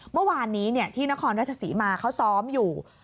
เมื่อวานนี้ที่นครราชศรีมาเขาซ้อมอยู่